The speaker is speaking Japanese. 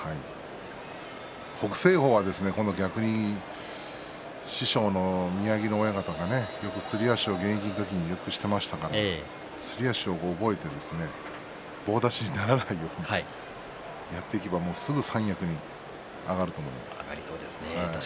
北青鵬は今度は逆に師匠の宮城野親方がよく、すり足を現役の時にしていましたからすり足を覚えて棒立ちにならないようにやっていけば上がりそうですね。